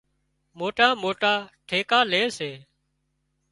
موٽا موٽا ٺيڪا لي سي